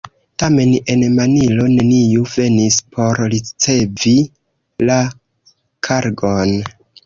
Tamen en Manilo neniu venis por ricevi la kargon.